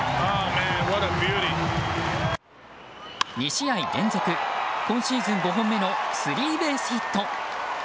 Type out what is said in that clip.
２試合連続今シーズン５本目のスリーベースヒット。